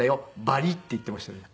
「バリ！」って言っていましたね。